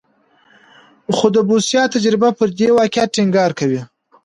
خو د بوسیا تجربه پر دې واقعیت ټینګار کوي.